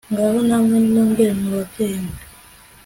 ngaho namwe nimumbwire mw'ababyeyi mwe